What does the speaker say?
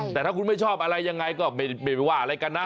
แต่ถ้าคุณไม่ชอบอะไรยังไงก็ไม่ว่าอะไรกันนะ